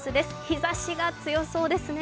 日ざしが強そうですね。